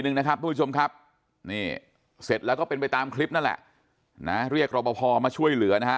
นะครับทุกผู้ชมครับนี่เสร็จแล้วก็เป็นไปตามคลิปนั่นแหละนะเรียกรอบพอมาช่วยเหลือนะฮะ